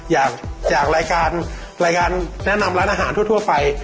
จากรายการรายการแนะนำร้านอาหารทั่วไป